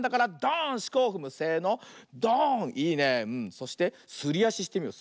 そしてすりあししてみよう。